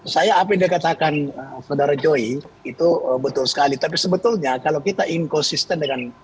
saya apa yang dikatakan saudara joy itu betul sekali tapi sebetulnya kalau kita inkonsisten dengan